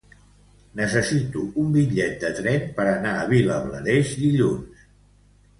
Necessito un bitllet de tren per anar a Vilablareix dilluns.